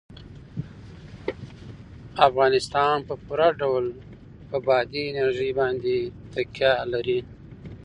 افغانستان په پوره ډول په بادي انرژي باندې تکیه لري.